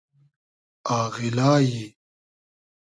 آغیلای